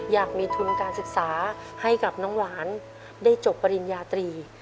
อยากมีทุนการศึกษาให้กับน้องหวานได้จบปริญญาตรี